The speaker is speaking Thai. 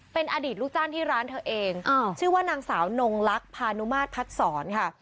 เป็นอดีตลูกจ้างที่ร้านเธอเองชื่อว่านางสาวนงลักษณ์พานุมาตรพัดศรค่ะ